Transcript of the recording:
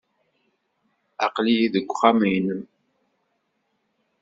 Aql-iyi deg uxxam-nnem.